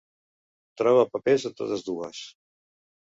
Troba papers a totes dues.